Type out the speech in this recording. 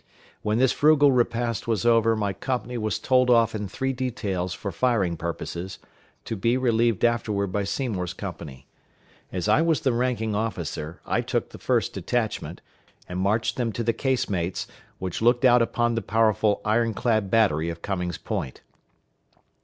When this frugal repast was over, my company was told off in three details for firing purposes, to be relieved afterward by Seymour's company. As I was the ranking officer, I took the first detachment, and marched them to the casemates, which looked out upon the powerful iron clad battery of Cummings Point.